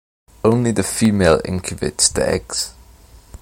Only the female incubates the eggs.